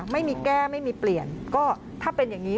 ไม่มีแก้ไม่มีเปลี่ยนก็ถ้าเป็นอย่างนี้